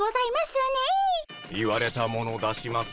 言われたもの出します。